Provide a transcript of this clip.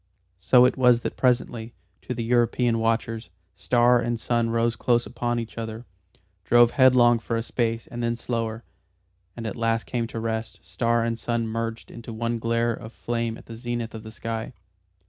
So it was that presently, to the European watchers, star and sun rose close upon each other, drove headlong for a space and then slower, and at last came to rest, star and sun merged into one glare of flame at the zenith of the sky.